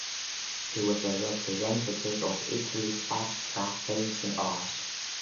He was a representative of Italy’s abstract painting art.